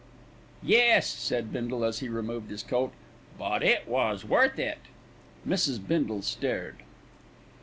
"Yes," said Bindle, as he removed his coat; "but it was worth it:" Mrs. Bindle stared.